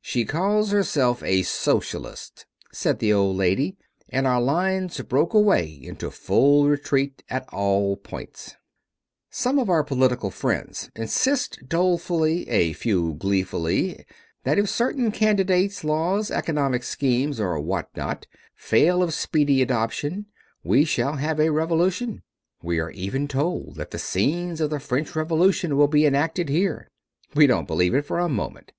"She calls herself a Socialist," said the old lady, and our lines broke away into full retreat at all points. Some of the political friends insist dolefully, a few gleefully, that if certain candidates, laws, economic schemes, or what not, fail of speedy adoption we shall have a revolution. We are even told that the scenes of the French Revolution will be enacted here. We don't believe it for a moment.